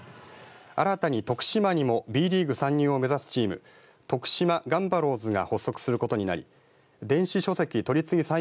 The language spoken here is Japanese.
新たに徳島にもＢリーグ参入を目指すチーム徳島ガンバロウズが発足することになり電子書籍取り次ぎ